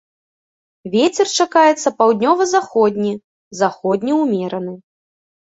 Вецер чакаецца паўднёва-заходні, заходні ўмераны.